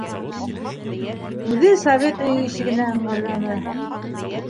Үҙе Совет өйө ишегенә ыңғайланы.